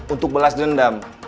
untuk belas dendam